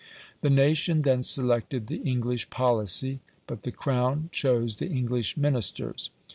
The nation then selected the English policy, but the Crown chose the English Ministers.